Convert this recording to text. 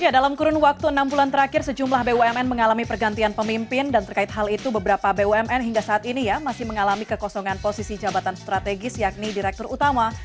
dalam kurun waktu enam bulan terakhir sejumlah bumn mengalami pergantian pemimpin dan terkait hal itu beberapa bumn hingga saat ini ya masih mengalami kekosongan posisi jabatan strategis yakni direktur utama